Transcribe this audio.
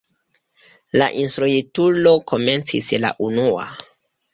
La instruitulo komencis la unua.